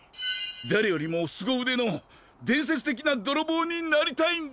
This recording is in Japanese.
誰よりもすごうでの伝説的などろぼうになりたいんだ！